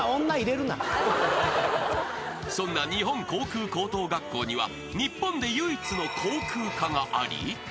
［そんな日本航空高等学校には日本で唯一の航空科があり］